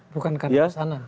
bukan karena pesanan